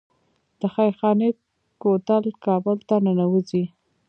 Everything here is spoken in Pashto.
د خیرخانې کوتل کابل ته ننوځي